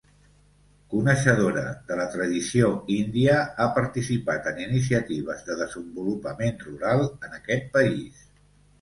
Coneixedora de la tradició índia, ha participat en iniciatives de desenvolupament rural en aquest país.